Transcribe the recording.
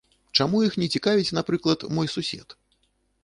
Чаму іх не цікавіць, напрыклад, мой сусед?